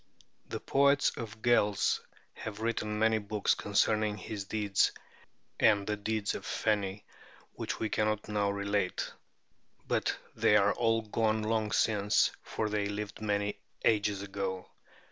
The poets of the Gaels have written many books concerning his deeds and the deeds of the Feni, which we cannot now relate; but they are all gone long since, for they lived many ages ago.